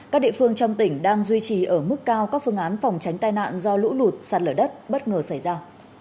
các địa phương trong tỉnh đang duy trì ở mức cao các phương án phòng tránh tai nạn do lũ lụt sạt lở đất bất ngờ xảy ra